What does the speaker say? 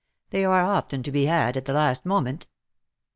They are often to be had at the last moment."